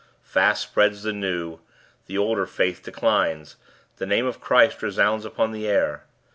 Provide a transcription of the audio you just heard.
Fast spreads the new; the older faith declines. The name of Christ resounds upon the air.